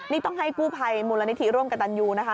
นี่ต้องให้กู้ภัยมูลนิธิร่วมกับตันยูนะคะ